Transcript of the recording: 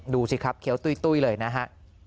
ดูสิครับเคี้ยวตุ้ยเลยนะฮะ